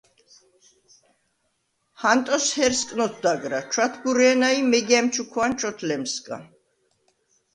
ჰანტოს ჰერსკნ ოთდაგრა, ჩვათბურე̄ნა ი მეგა̈მ ჩუქვა̄ნ ჩვოთლემსგა.